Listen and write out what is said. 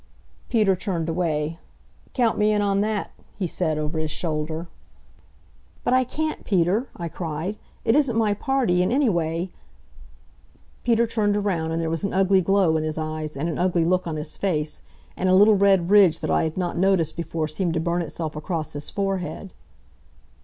Peter turned away. "Count me in on that," he said, over his shoulder. "But I can't, Peter," I cried. "It isn't my party. And anyway " Peter turned around, and there was an ugly glow in his eyes and an ugly look on his face, and a little red ridge that I had not noticed before seemed to burn itself across his forehead.